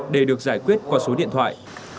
để được giải quyết qua số điện thoại